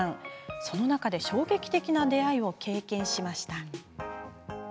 その中で衝撃的な出会いを経験しました。